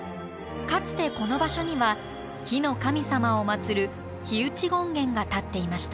かつてこの場所には火の神様を祀る火燧権現が建っていました。